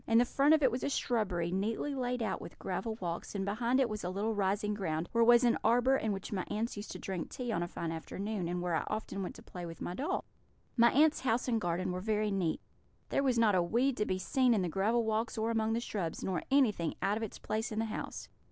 In the front of it was a shrubbery, neatly laid out with gravel walks, and behind it was a little rising ground, where was an arbour, in which my aunts used to drink tea on a fine afternoon, and where I often went to play with my doll. My aunts' house and garden were very neat; there was not a weed to be seen in the gravel walks or among the shrubs, nor anything out of its place in the house.